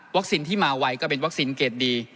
วัคซินที่มาไว้ก็เป็นวัคซินเกรดดี